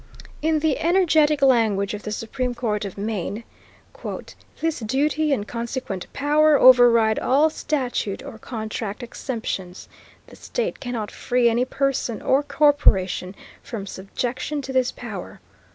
In the energetic language of the Supreme Court of Maine: "This duty and consequent power override all statute or contract exemptions. The state cannot free any person or corporation from subjection to this power.